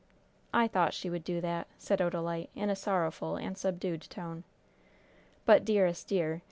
"I thought she would do that," said Odalite, in a sorrowful and subdued tone. "But, dearest dear!